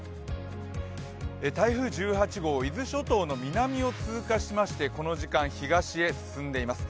台風１８号伊豆諸島の南を通過していましてこの時間、東へ進んでいます。